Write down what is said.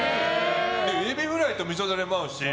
エビフライとみそダレも合うし。